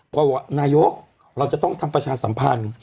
ว่านายกเราจะต้องทำประชาสัมพันธ์